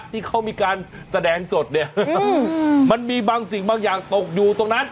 ที่เขามีการแสดงสดเนี่ยมันมีบางสิ่งบางอย่างตกอยู่ตรงนั้น